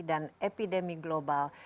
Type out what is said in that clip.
dan epidemi global